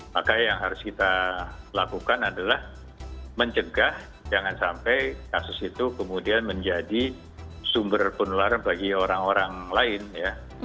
maka yang harus kita lakukan adalah mencegah jangan sampai kasus itu kemudian menjadi sumber penularan bagi orang orang lain ya